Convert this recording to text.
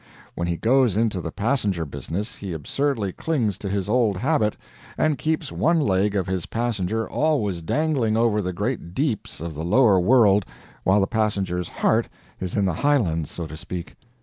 When he goes into the passenger business he absurdly clings to his old habit, and keeps one leg of his passenger always dangling over the great deeps of the lower world while that passenger's heart is in the highlands, so to speak.